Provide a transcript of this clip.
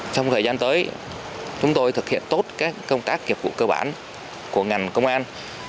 trong thời gian tới chúng tôi thực hiện tốt các công tác kiệp vụ cơ bản của ngành công an